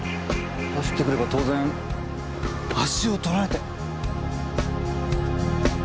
走ってくれば当然足をとられて。